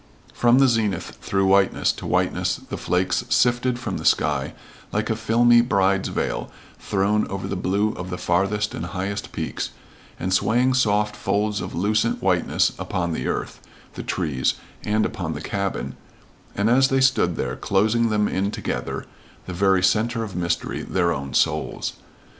From the zenith through whiteness to whiteness the flakes sifted from the sky like a filmy bride's veil thrown over the blue of the farthest and highest peaks, and swaying soft folds of lucent whiteness upon the earth the trees and upon the cabin, and as they stood there, closing them in together the very center of mystery, their own souls.